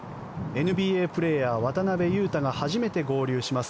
ＮＢＡプレーヤー、渡邊雄太が初めて合流します